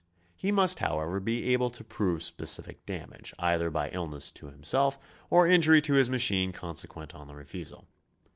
He must, however, be able to prove specific damage, either by 122 GOING ABROAD? illness to himself or injury to his machine consequent on the refusal.